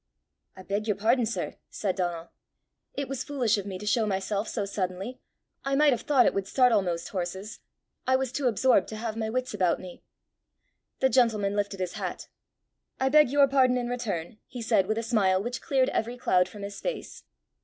"I beg your pardon, sir," said Donal. "It was foolish of me to show myself so suddenly; I might have thought it would startle most horses. I was too absorbed to have my wits about me." The gentleman lifted his hat. "I beg your pardon in return," he said with a smile which cleared every cloud from his face.